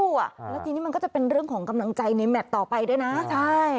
แล้วทีนี้มันก็จะเป็นเรื่องของกำลังใจในแมทต่อไปด้วยนะใช่